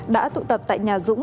đã tụ tập tại nhà dũng